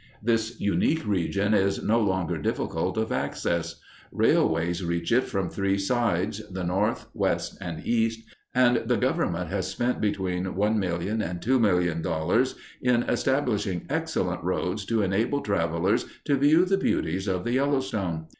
This unique region is no longer difficult of access. Railways reach it from three sides, the north, west, and east, and the Government has spent between one million and two million dollars in establishing excellent roads to enable travelers to view the beauties of the Yellowstone.